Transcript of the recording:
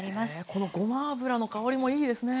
このごま油の香りもいいですね。